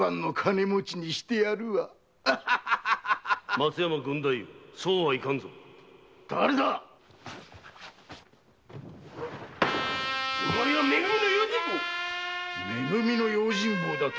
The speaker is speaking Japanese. ・松山郡太夫そうはいかんぞお前はめ組の用心棒め組の用心棒だと？